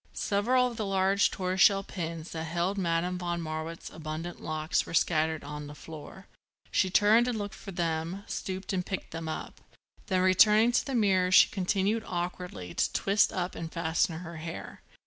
Several of the large tortoiseshell pins that held Madame von Marwitz's abundant locks were scattered on the floor. She turned and looked for them, stooped and picked them up. Then returning to the mirror she continued, awkwardly, to twist up and fasten her hair.